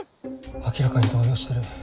明らかに動揺してる。